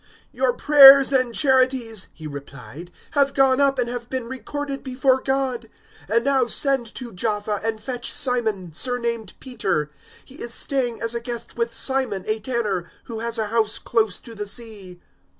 "Your prayers and charities," he replied, "have gone up and have been recorded before God. 010:005 And now send to Jaffa and fetch Simon, surnamed Peter. 010:006 He is staying as a guest with Simon, a tanner, who has a house close to the sea."